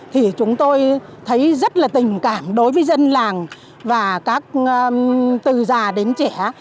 thì chúng tôi thấy rất là tình cảm đối với dân làng và các từ già đến trẻ